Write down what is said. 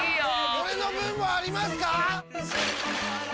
俺の分もありますか！？